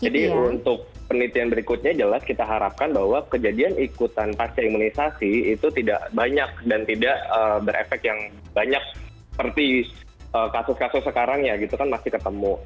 jadi untuk penelitian berikutnya jelas kita harapkan bahwa kejadian ikutan pasca imunisasi itu tidak banyak dan tidak berefek yang banyak seperti kasus kasus sekarang ya gitu kan masih ketemu